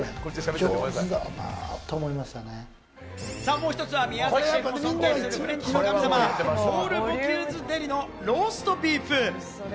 もう一つは宮崎シェフも尊敬するフレンチの神様「ポール・ボキューズデリ」のローストビーフ。